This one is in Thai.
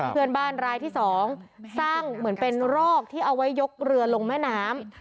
เพื่อนบ้านรายที่๒สร้างเหมือนเป็นรอกที่เอาไว้ยกเรือลงแม่น้ำ